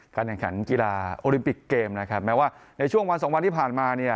แข่งขันกีฬาโอลิมปิกเกมนะครับแม้ว่าในช่วงวันสองวันที่ผ่านมาเนี่ย